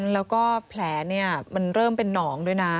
แล้วก็แผลมันเริ่มเป็นหนองด้วยนะ